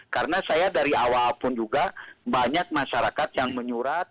karena saya dari awal pun juga banyak masyarakat yang menyurat